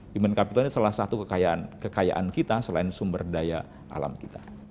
human capital ini salah satu kekayaan kita selain sumber daya alam kita